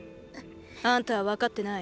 あんたはわかってない。